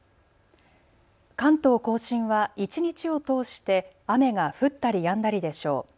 関東甲信は一日を通して雨が降ったりやんだりでしょう。